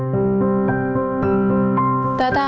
ผมเคยวาดรูปพี่ตูนด้วย